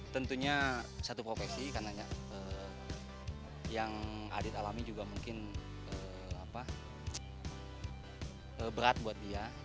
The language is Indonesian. tentunya satu profesi karena yang adit alami juga mungkin berat buat dia